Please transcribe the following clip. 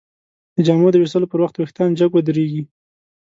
د جامو د ویستلو پر وخت وېښتان جګ ودریږي.